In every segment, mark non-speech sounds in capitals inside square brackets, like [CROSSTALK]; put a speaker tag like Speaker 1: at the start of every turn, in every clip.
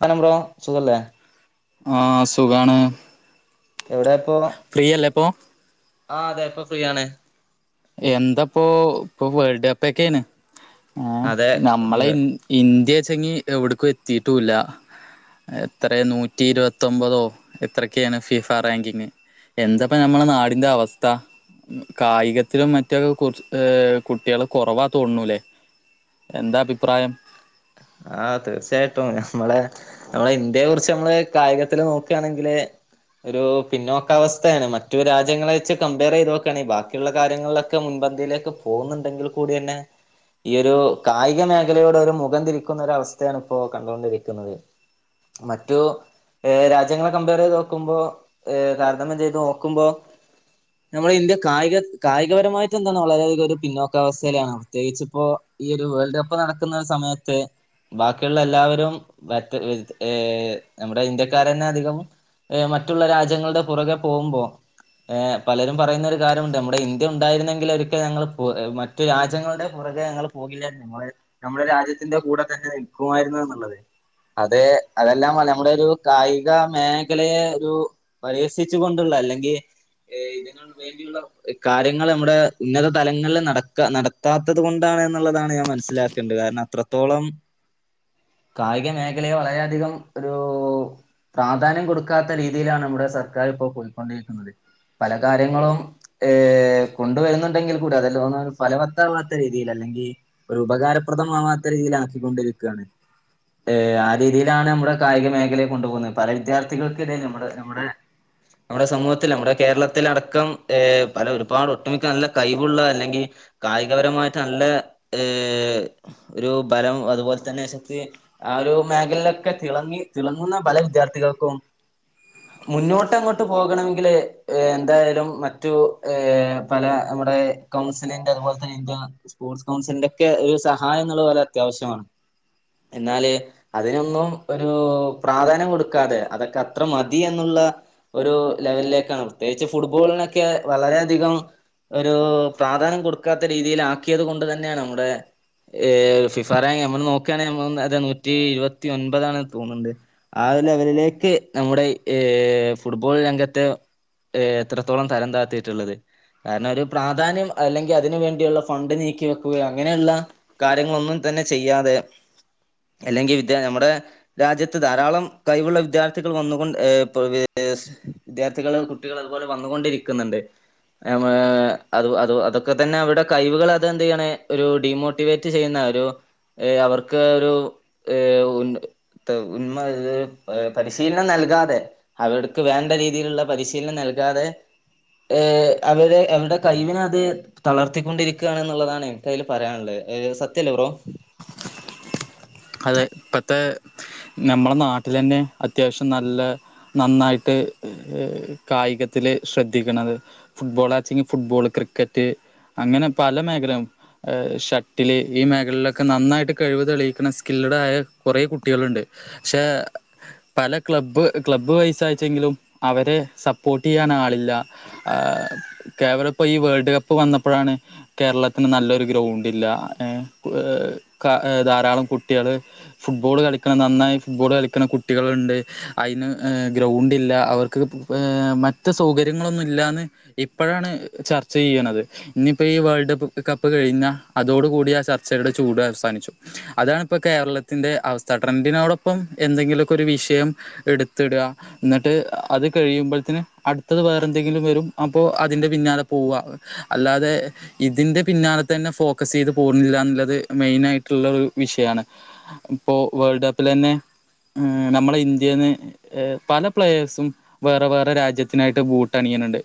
Speaker 1: പനംബ്രോ സുഖല്ലേ
Speaker 2: ആ സുഖാണ്
Speaker 1: എവിടേ പ്പോ
Speaker 2: ഫ്രീയല്ലേ ഇപ്പൊ
Speaker 1: ആഹ് അതെ ഇപ്പോ ഫ്രീയാണ്
Speaker 2: എന്താപ്പൊ ഇപ്പൊ വേൾഡ് കപ്പൊക്കെണ് ആ
Speaker 1: അതെ ഉം,
Speaker 2: നമ്മളെ ഇന്ത്യെച്ചങ്കി എവിട്ക്കും എത്തിട്ടുല്ല എത്ര നൂറ്റി ഇരുപത്തൊമ്പതോ എത്രക്കെണ് ഫിഫ റാങ്കിങ് എന്തപ്പ നമ്മടെ നാടിന്റെ അവസ്ഥ കായിക ത്തിലും മറ്റൊക്കെ കു ഏ കുട്ട്യാള് കൊർവാ തോന്നുണൂല്ലേ എന്താ അഭിപ്രായം
Speaker 1: ആ തീർച്ചയായിട്ടും നമ്മളെ നമ്മളെ ഇന്ത്യയെ കുറിച്ച് നമ്മള് കായികത്തില് നോക്കാണെങ്കില് ഒരു പിന്നോക്കാവസ്ഥയാണ് മറ്റു രാജ്യങ്ങളെ വെച്ച് കമ്പയർ ചെയ്ത് നോക്കാണെങ്കില് ബാക്കിയുള്ള കാര്യങ്ങളിലൊക്കെ മുൻപന്തിയിലേക്ക് പോകുന്നുണ്ടെങ്കിൽ കൂടെന്നെ ഈ ഒരു കായിക മേഖലയോടൊരു മുഖം തിരിക്കുന്നരവസ്ഥയാണ് ഇപ്പോ കണ്ടുകൊണ്ടിരിക്കുന്നത് മറ്റു രാജ്യങ്ങളെ കമ്പയർ ചെയ്ത് നോക്കുമ്പോ താരതമ്യം ചെയ്ത് നോക്കുമ്പോ നമ്മുടെ ഇന്ത്യ കായിക കായികപരമായിട്ട് എന്താണ് വളരെയധികം ഒരു പിന്നോക്കാവസ്ഥയിലാണ് പ്രത്യേകിച്ച്പ്പോ ഈ ഒരു വേൾഡ് കപ്പ് നടക്കുന്ന സമയത്ത് ത്ത് ബാക്കിയുള്ള എല്ലാവരും മറ്റ് ഏഹ് നമ്മുടെ ഇന്ത്യക്കാരെന്നെ അധികം മറ്റുള്ള രാജ്യങ്ങളുടെ പുറകെ പോകുമ്പോ പലരും പറയുന്ന ഒരു കാര്യമുണ്ട് നമ്മുടെ ഇന്ത്യ ഉണ്ടായിരുന്നെങ്കി ഒരിക്കെ ഞങ്ങൾ മറ്റു രാജ്യങ്ങളുടെ പുറകെ ഞങ്ങൾ പോകില്ലായിരുന്നു നമ്മുടെ രാജ്യത്ത് ത്തിന്റെ കൂടെ തന്നെ നിക്കുമായിരുന്നു എന്നുള്ളത് അതെ അതെല്ലാം നമ്മുടെ ഒരു കായിക മേഖലയെ ഒരു പരിഹസിച്ചു കൊണ്ടുള്ള അല്ലെങ്കി ഇതിന് വേണ്ടിയുള്ള കാര്യങ്ങൾ നമ്മുടെ ഉന്നത തലങ്ങളിൽ നടക്ക നടത്താത്തത് കൊണ്ടാണ് എന്നുള്ളതാണ് ഞാൻ മനസ്സിലാക്കണ്ടത് കാരണം അത്ര ത്തോളം കായിക മേഖലയെ വളരെയധികം ഒരു പ്രാധാന്യം കൊടുക്കാത്ത രീതിയിലാണ് നമ്മുടെ സർക്കാർ ഇപ്പോ പോയ്ക്കൊണ്ടിരിക്കുന്നത് പല കാര്യങ്ങളും ഏ കൊണ്ടുവരുന്നുണ്ടെങ്കിൽ കൂടി [UNINTELLIGIBLE] ഒരു ഫലവത്താവാത്ത രീതിയിൽ അല്ലെങ്കിൽ ഒരു ഉപകാരപ്രദമാവാ ത്ത രീതിയിലാക്കിക്കൊണ്ടിരിക്കാണ് ഏ ആ രീതിയിലാണ് നമ്മുടെ കായിക മേഖലയെ കൊണ്ടുപോകുന്നത് പല വിദ്യാർത്ഥികൾക്കിടെ നമ്മുടെ നമ്മുടെ നമ്മുടെ സമൂഹത്തിൽ നമ്മുടെ കേരളത്തിലടക്കം ഏ പല ഒരുപാട് ഒട്ടുമിക്ക നല്ല കഴിവുള്ള അല്ലെങ്കിൽ കായികപരമായിട്ട് നല്ല ഏ ഒരു ബലം അതുപോലെ തന്നെ ശക്തി ആ ഒരു മേഖലയിലൊക്കെ തിളങ്ങി തിളങ്ങുന്ന പല വിദ്യാർത്ഥികൾക്കും മുന്നോട്ട് അങ്ങോട്ട് പോകണമെങ്കില് എന്തായാലും മറ്റു ഏ പല നമ്മുടെ കൗൺസിലിന്റെ അതുപോലെ തന്നെ ഇന്ത്യ സ്പോർട്സ് കൗൺസിലിന്റൊക്കെ ഒരു സഹായം ന്ന്ള്ളൊര് അത്യാവശ്യമാണ് എന്നാല് അതിനൊന്നും ഒരു പ്രാധാന്യം കൊടുക്കാതെ അതൊക്കെ അത്ര മതി എന്നുള്ള ഒരു ലെവലിലേക്കാണ് പ്രത്യേകിച്ച് ഫുട്ബോളിനൊക്കെ വളരെയധികം ഒരു പ്രാധാന്യം കൊടുക്കാത്ത രീതിലാക്കിയത് കൊണ്ട് തന്നെ നമ്മുടെ ഏ ഫിഫ റാങ്ക് നമ്മൾ നോക്കാണെങ്കി നമ്മ നൂറ്റി ഇരുപത്തി ഒൻപതാണ് തോന്ന്ണ്ട് ആ ലെവലിലേക്ക് നമ്മുടെ ഏ ഫുട്ബോൾ രംഗത്തെ എത്രത്തോളം തരം താത്തിയിട്ടുള്ളത് കാരണം ഒരു പ്രാധാന്യം അല്ലെങ്കി അതിന് വേണ്ടിയുള്ള ഫണ്ട് നീക്കി വെക്കുകയോ അങ്ങനെള്ള കാര്യങ്ങളൊന്നും തന്നെ ചെയ്യാതെ അല്ലെങ്കി വിദ്യ നമ്മുടെ രാജ്യത്ത് ധാരാളം കഴിവുള്ള വിദ്യാർത്ഥികൾ വന്നുകൊണ്ട് ഏ വിദ്യാർത്ഥികൾ കുട്ട്യാളും അതുപോലെ വന്നുകൊണ്ടിരിക്കുന്നുണ്ട് അത് അതൊക്കെത്തെന്നെ അവരുടെ കഴിവുകൾ അത് എന്താണ് ഒരു ഡിമോ ട്ടിവേറ്റ് ചെയ്യുന്ന ഒരു അവർക്ക് ഒരു [UNINTELLIGIBLE] പരിശീലനം നൽകാതെ അവർക്ക് വേണ്ട രീതിയിലുള്ള പരിശീലനം നൽകാതെ അവര് അവരുടെ കൈവിനെ അത് തളർത്തിക്കൊണ്ടിരിക്കാണ് ന്നുള്ളതാണ് എനിക്കതിൽ പറയാള്ളത് ഏ സത്യല്ലേ ബ്രോ
Speaker 2: അതെ ഇപ്പത്തെ നമ്മടെ നാട്ടിലെന്നെ അത്യാവശ്യം നല്ല നന്നായിട്ട് കായികത്തില് ശ്രദ്ധിക്കണത് ഫുട്ബോളാച്ചിങ്‌ ഫുട്ബോള് ക്രിക്കറ്റ് അങ്ങനെ പല മേഖലയും ഷട്ടില് ഈ മേഖലൊക്കെ നന്നായിട്ട് കഴിവ് തെളിയിക്കണ സ്കില്ലഡായ കൊറേ കുട്ടികള്ണ്ട് പക്ഷേ പല ക്ലബ്ബ് ക്ലബ്ബ് പൈസയച്ചെങ്കിലും അവരെ സപ്പോർട്ട് ചെയ്യാൻ ആളില്ല കേവലം ഇപ്പോം ഈ വേൾഡ് കപ്പ് വന്നപ്പഴാണ് കേരളത്തിന് നല്ലൊരു ഗ്രൗണ്ടില്ല ഏ ധാരാളം കു കുട്ട്യാള് ഫുട്ബോൾ കളിക്കണം നന്നായി ഫുട്ബോൾ കളിക്കണ കുട്ട്യാള്ണ്ട് അയിന് ഗ്രൗണ്ടില്ല അവർക്ക് മറ്റ് സൗകര്യങ്ങളൊന്നുംല്ലാന്ന് ഇപ്പഴാണ് ചർച്ച ചെയ്യണത് ഇനിയിപ്പോൾ ഈ വേൾഡ് കപ്പ് കഴിഞ്ഞാ അതോട് കൂടി ആ ചർച്ചയുടെ ചൂട് അവസാനിച്ചു അതാണ് ഇപ്പോൾ കേരളത്തിൻ്റെ അവസ്ഥ ട്രെൻഡിനോടൊപ്പം എന്തെങ്കിലൊക്കെ ഒരു വിഷയം എടുത്തിടാ ന്ന്ട്ട് അത് കഴിയുമ്പോഴത്തിന് അടുത്തത് വേറെ എന്തെങ്കിലും വെരും അപ്പോൾ അതിൻ്റെ പിന്നാലെ പോവാ അല്ലാതെ ഇതിൻ്റെ പിന്നാലെ തന്നെ ഫോക്കസ് ചെയ്ത് പോണില്ല എന്ന്ള്ളത് മെയിനായിട്ടുള്ള ഒരു വിഷയാണ് ഇപ്പോ വേൾഡ് കപ്പിലെന്നെ നമ്മളെ ഇന്ത്യേന്ന് പല പ്ലേയേഴ്സും വേറെ വേറെ രാജ്യത്തിനായിട്ട് ബൂട്ട് അണിയ്ണ് ണ്ട്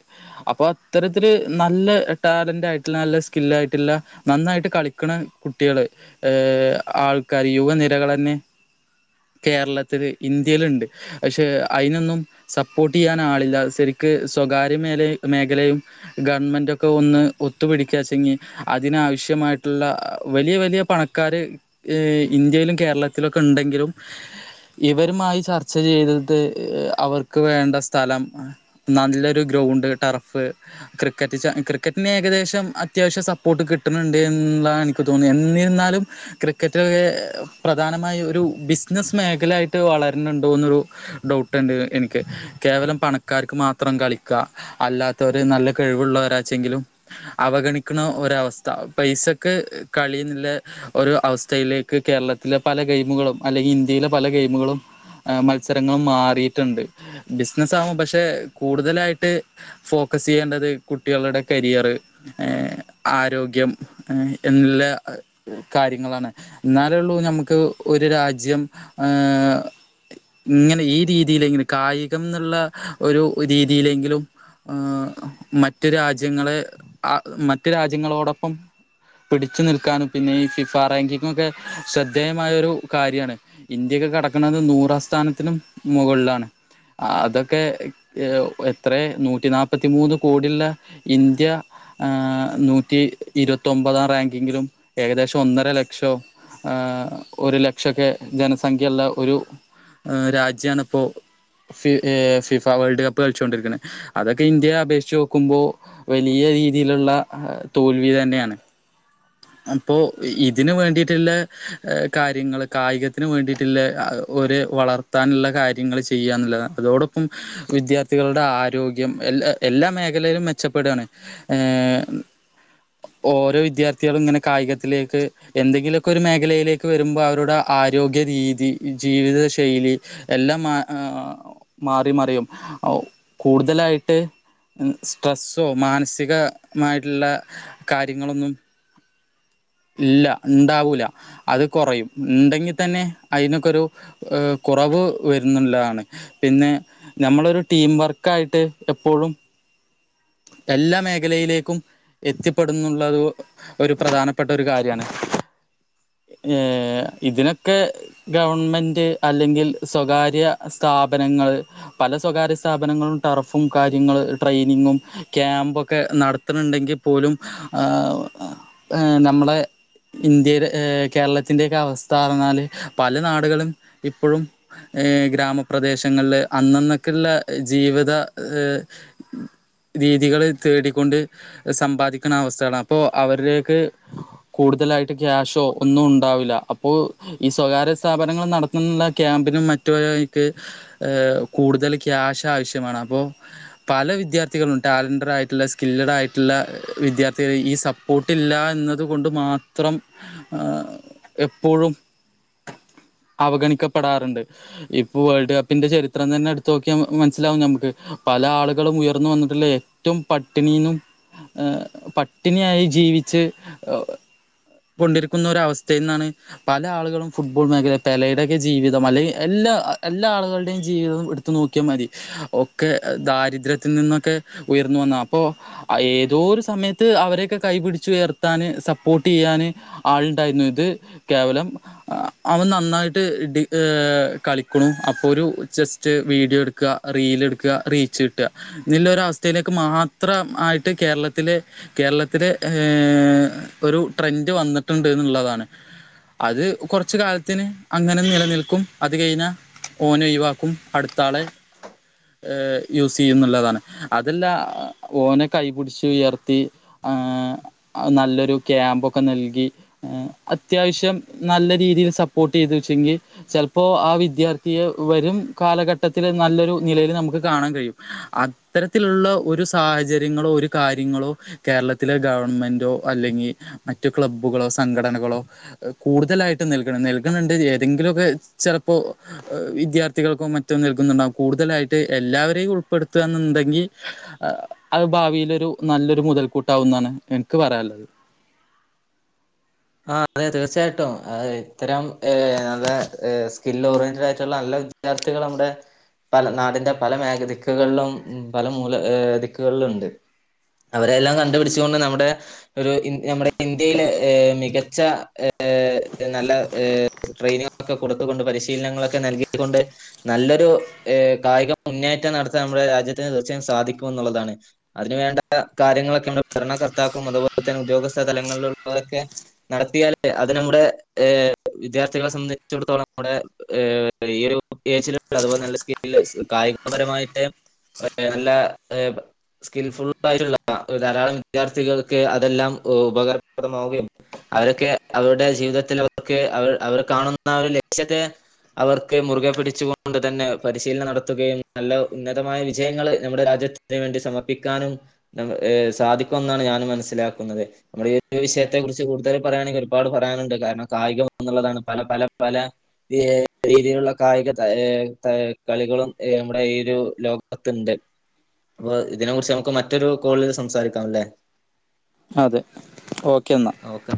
Speaker 2: അപ്പൊ അത്തരത്തിൽ നല്ല ടാലന്റ് ആയിട്ടില്ല നല്ല സ്കില്ലായിട്ടുള്ള നന്നായിട്ട് കളിക്കണ കുട്ടികള് ഏ ആൾ കരിയുക നിരകളെന്നെ കേരളത്തില് ഇന്ത്യേല്ണ്ട് പക്ഷെ അയ്നൊന്നും സപ്പോർട്ട് ചെയ്യാൻ ആളില്ല ശെരിക്ക് സ്വകാര്യ മേല മേഖലയും ഗവൺമെന്റൊക്കെ ഒന്ന് ഒത്തുപിടിക്കാച്ചെങ്കി അതിനാവശ്യമായിട്ടുള്ള വലിയ വലിയ പണക്കാര് ഇന്ത്യയിലും കേരളത്തിലൊക്കെ ണ്ടെങ്കിലും ഇവരുമായി ചർച്ച ചെയ്തത് അവർക്ക് വേണ്ട സ്ഥലം നല്ലൊരു ഗ്രൗണ്ട് ടർഫ് ക്രിക്കറ്റ് ക്രിക്കറ്റിന് ഏകദേശം അത്യാവശ്യം സപ്പോട്ട് കിട്ടുന്നുണ്ട് എന്നാണ് ൻക്ക് തോന്നുന്നത് എന്നിരുന്നാലും [UNINTELLIGIBLE] പ്രധാനമായി ഒരു ബിസിനസ് മേഖല ആയിട്ട് വളര്ണുണ്ടോന്നൊരു ഡൗട്ട്ണ്ട് എനിക്ക് കേവലം പണക്കാർക്ക് മാത്രം കളിക്കാ അല്ലാത്തവര് നല്ല കഴിവുള്ളവരാച്ചെങ്കിലും അവഗണിക്ണ ഒരവസ്ഥ പൈസക്ക് കളീ ന്നില്ല ഒരു അവസ് സ്ഥയിലിലേക്ക് കേരളത്തിലെ പല ഗെയിമുകളും അല്ലെങ്കിൽ ഇന്ത്യയിലെ പല ഗെയിമുകളും മത്സരങ്ങളും മാറിയിട്ടുണ്ട്. ബിസിനസാകും പക്ഷെ കൂടുതലായിട്ട് ഫോക്കസ് ചെയ്യേണ്ടത് കുട്ടികളുടെ കരിയർ ഏഹ് ആരോഗ്യം ഏഹ് എല്ല കാര്യങ്ങളാണ്. ന്നാലൊള്ളൂ നമുക്ക് ഒരു രാജ്യം ഏഹ് ഇങ്ങനെ ഈ രീതിയിലെങ്കിലും കായികംന്നുള്ള ഒരു രീതിയിലെങ്കിലും ഏഹ് മറ്റു രാജ്യങ്ങളെ മറ്റു രാജ്യങ്ങളോടൊപ്പം പിടിച്ചു നിൽക്കാനും പിന്നെ ഈ ഫിഫാറാങ്കി ങ്ങൊക്കെ ശ്രദ്ധേയമായ ഒരു കാര്യാണ്. ഇന്ത്യക്കെ കടക്ക്ണത് നൂറാം സ്ഥാനത്തിനും മുകളിലാണ്. അതൊക്കെ ഏഹ് എത്ര നൂറ്റി നാൽപ്പത്തിമൂന്ന് കോടിള്ള ഇന്ത്യ ഏഹ് നൂറ്റി ഇരുപത്തൊമ്പതാം റാങ്കിങ്ങിലും ഏകദേശം ഒന്നര ല ക്ഷൊ ഏഹ് ഒരു ലക്ഷൊക്കെ ജനസംഖ്യ ഉള്ള ഒരു രാജ്യാണ്പ്പോ ഫി ഫിഫ വേൾഡ് കപ്പ് കളിച്ചൊണ്ടിരിക്ണത്. അതൊക്കെ ഇന്ത്യയെ അപേക്ഷിച്ച് നോക്കുമ്പോ വലിയ രീതിയിലുള്ള തോൽവി തന്നെയാണ്. അപ്പോ ഇ തിന് വേണ്ടിട്ട്ല്ല കാര്യങ്ങൾ കായികത്തിന് വേണ്ടിട്ട്ല്ല ഒരു വളർത്താനുള്ള കാര്യങ്ങൾ ചെയ്യാന്നുല്ലതാണ്. അതോടൊപ്പം വിദ്യാർത്ഥികളുടെ ആരോഗ്യം എല്ലാ എല്ലാ മേഖലയിലും മെച്ചപ്പെടാണ്. ഏഹ് ഓരോ വിദ്യാർത്ഥികളും ഇങ്ങനെ കായികത്തിലേക്ക് എന്തെങ്കിലു ഒക്കൊരു മേഖലയിലേക്ക് വരുമ്പോ അവരുടെ ആരോഗ്യ രീതി ജീവിത ശൈലി എല്ലാം മാ ഏഹ് മാറി മറിയും അഹ് കൂടുതലായിട്ട് സ്ട്രെസ്സോ മാനസികമായിട്ടുള്ള കാര്യങ്ങളൊന്നും ഇല്ല ഇണ്ടാവൂല്ല. അത് കൊറയും ഉണ്ടെങ്കി തന്നെ അയിന്നൊക്കൊരു ഏഹ് കുറവ് വരുന്നുള്ളതാണ്. പിന്നെ നമ്മളൊരു ടീം വർക്കായിട്ട് എപ്പോഴും എല്ലാ മേഖലയിലേക്കും എത്തിപ്പെടുന്നുള്ളത് ഒരു പ്രധാനപ്പെട്ട ഒരു കാര്യാണ്. ഏഹ് ഇതിനൊക്കെ ഗവണ്മെന്റ് അല്ലെങ്കിൽ സ്വകാര്യ സ്ഥാപനങ്ങൾ പല സ്വകാര്യ സ്ഥാപനങ്ങളും ടർഫും കാര്യങ്ങൾ ട്രെയിനിങ്ങും ക്യാമ്പൊക്കെ നടത്ത്ണ്ണ്ടെങ്കിൽ പോലും ഏഹ് നമ്മളെ ഇന്ത്യയിൽ കേരളത്തിന്റെ അവസ്ഥാ പർഞ്ഞാൽ പല നാടുകളും ഇപ്പഴും ഏഹ് ഗ്രാമപ്രദേശങ്ങളില് അന്നന്നൊക്കെള്ള ജീവിത ഏഹ് രീതികള് തേടിക്കൊണ്ട് സമ്പാദിക്കുണ അവസ്ഥകളാ അപ്പോ അവര്‌ലേ ക്ക് കൂടുതലായി ക്യാശോ ഒന്നും ഉണ്ടാവില്ല. അപ്പോ ഈ സ്വകാര്യ സ്ഥാപനങ്ങൾ നടത്ത്ന്ന ക്യാമ്പിനും മറ്റും പല വഴിക്ക് കൂടുതൽ ക്യാശ് ആവശ്യമാണ് അപ്പോ പല വിദ്യാർ ഥികളും ടാലന്റഡർ ആയിട്ടുള്ള സ്കില്ലഡ് ആയിട്ടുള്ള വിദ്യാർത്ഥികള് ഈ സപ്പോർട്ട് ഇല്ല എന്നത് കൊണ്ട് മാത്രം എപ്പോഴും അവഗണിക്കപ്പെടാറുണ്ട്. ഇപ്പ വേൾഡ് കപ്പിന്റെ ചരിത്രം തന്നെ എടുത്തു നോക്കിയ മനസ്സിലാവും ഞമക്ക് പല ആളുകളും ഉയർന്നു വന്നു അല്ലേ ഏറ്റവും പട്ടിണീന്നും ഏഹ് പട്ടിണിയായി ജീവിച്ച് ഏഹ് കൊണ്ടിരിക്കുന്ന ഒരു അവസ്ഥയിന്നാണ് പല ആളുകളും ഫുട്ബോൾ മേഖല പെലയുടെക്കെ ജീവിതം അല്ലെങ്കിൽ എല്ലാ എല്ലാ ആളുകളുടെയും ജീവിതം എടുത്തു നോക്കിയ മതി ഒക്കെ ദാരിദ്ര്യത്തിൽ നിന്നൊക്കെ ഉയർന്നു വന്നാ. അപ്പോ ഏതോ ഒരു സമയത്ത് അവരൊക്കെ കൈപിടിച്ചു ഉയർത്താന് സപ്പോർ ട്ടെയ്യാന് ആളുണ്ടായിരുന്നു. ഇത് കേവലം അവൻ നന്നായിട്ട് ഡി ഏഹ് കളിക്ക്ണു അപ്പോ ഒരു ജസ്റ്റ് വീഡിയോ എടുക്കാ റീൽ ഇട്ക്കാ റീച്ച് കിട്ടാ ഇതിൻല്ലൊരു അവസ്ഥയിലേക്ക് മാത്രം ആയിട്ട് കേരളത്തിലെ കേരളത്തിലെ ഏഹ് ഒരു ട്രെൻഡ് വന്നിട്ടുണ്ട് എന്നുള്ളതാണ്. അത് കൊർച്ച് കാലത്തിന് അങ്ങനെ നിലനിൽക്കും അത് കഴിഞ്ഞാൽ ഓനെ ഒഴിവാക്കും. അടുത്താളെ ഏഹ് യൂസ് ചെയ്യും ന്നുല്ലതാണ്. അതല്ല ഓനെ കൈപിടിച്ച് ഉയർത്തി ഏഹ് നല്ലൊരു ക്യാമ്പൊ ക്കെ നൽകി ഏഹ് അത്യാവശ്യം നല്ല രീതിയിൽ സപ്പോർട്ട് ചെയ്ത് വച്ചെങ്കി ചിലപ്പോ ആ വിദ്യാർത്ഥിയെ വരും കാലഘട്ടത്തില് നല്ലൊരു നിലയിൽ നമുക്ക് കാണാൻ കഴിയും. അത്തരത്തിലുള്ള ഒരു സാഹചര്യങ്ങളോ ഒരു കാര്യങ്ങളോ കേരളത്തിലെ ഗവൺമെന്റോ അല്ലെങ്കി മറ്റു ക്ലബ്ബുകളോ സംഘടനകളോ കൂടുതലായിട്ടും നൽക നൽക്ണ് ണ്ട് ഏതെങ്കിലുമൊക്കെ ച പ്പോ വിദ്യാർത്ഥ- ത്ഥികൾക്കോ മറ്റോ നൽകുന്നുണ്ടാവും. കൂടുതലായിട്ട് എല്ലാവരെയും ഉൾപ്പെടുത്താന്നിണ്ടെങ്കിൽ ആഹ് അത് ഭാവിലൊരു നല്ലൊരു മുതൽക്കൂട്ടാവുംന്നാണ് എൻക്ക് പറയാള്ളെത്.
Speaker 1: ആഹ് അതെ തീർച്ചയായിട്ടും. ആഹ് ഇത്തരം ഏഹ് നല്ല ഏഹ് സ്കിൽ ഓറിയന്റഡ് ആയിട്ടുള്ള നല്ല വിദ്യാർത്ഥികള് നമ്മുടെ പല നാടിന്റെ പല മേഖ ദിക്കുകളിലും ഇം പല മൂല ഏഹ് ദിക്കുകളിലിണ്ട്. അവരെ എല്ലാം കണ്ടുപിടിച്ചു കൊണ്ട് നമ്മടെ ഒരു ഇൻ നമ്മടെ ഇന്ത്യയിലെ ഏഹ് മി കച്ച ഏഹ് നല്ല ഏഹ് ട്രെയിനിങ് ഒക്കെ കൊടുത്തുകൊണ്ട് പരിശീലനങ്ങളൊക്കെ നൽകിക്കൊണ്ട്. നല്ലൊരു ഏഹ് കായിക മുന്നേറ്റം നടത്താൻ നമ്മുടെ രാജ്യത്തിന് തീർച്ചയായും സാധിക്കും എന്നുള്ളതാണ്. അതിന് വേണ്ട കാര്യങ്ങളൊക്കെ നമ്മുടെ ഭരണകർത്താക്കളും അതുപോലെ തന്നെ ഉദ്യോഗസ്ഥ തലങ്ങളിലുള്ളവരൊക്കെ നടത്തിയാല് അത് നമ്മുടെ ഏഹ് വിദ്യാർത്ഥികളെ സംബന്ധിച്ചിടത്തോളം നമ്മുടെ ഏഹ് ഈ ഒരു ഏജിലുള്ള അതുപോലെ നല്ല സ്കില്ല് കായികപരമായിട്ട് [UNINTELLIGIBLE] നല്ല സ്കിൽഫുൾ ആയിട്ടുള്ള ധാരാളം വിദ്യാർത്ഥികൾക്ക് അതെല്ലാം ഉപകാരപ്രദമാവുകയും. അവരൊക്കെ അവരുടെ ജീവിതത്തിലൊക്കെ അവര് അവര് കാണുന്ന ഒരു ലക്ഷ്യത്തെ അവർക്ക് മുറുകെ പിടിച്ചു കൊണ്ട് തന്നെ പരിശീലനം നടത്തുകയും നല്ല ഉന്നതമായ വിജയങ്ങള് നമ്മുടെ രാജ്യത്തിന് വേണ്ടി സമർപ്പിക്കാനും ന് ഏഹ് സാധിക്കും എന്നാണ് ഞാനും മനസ്സിലാക്കുന്നത് നമ്മുടെ ഈ ഒരു വിഷയത്തെ കുറി ച്ച് കൂടുതല് പറയാണെങ്കിൽ ഒരുപാട് പറയാനുണ്ട് കാരണം കായികം എന്നുള്ളതാണ് പല പല പല ഏഹ് രീതിയിലുള്ള കായിക താ ഏഹ് ഏഹ് കളികളും ഏഹ് നമ്മുടെ ഈ ഒരു ലോകത്തിണ്ട്. അപ്പൊ ഇതിനെ കുറിച്ച് നമുക്ക് മറ്റൊരു കോളിൽ സംസാരിക്കാമല്ലേ.
Speaker 2: അതെ ഓ
Speaker 1: ഓക്കെ